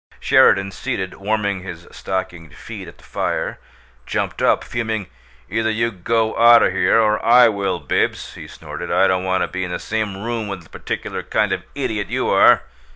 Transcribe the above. Sheridan, seated, warming his stockinged feet at the fire, jumped up, fuming. "Either you go out o' here, or I will, Bibbs!" he snorted. "I don't want to be in the same room with the particular kind of idiot you are!